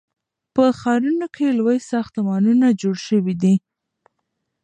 په ښارونو کې لوی ساختمانونه جوړ سوي دي.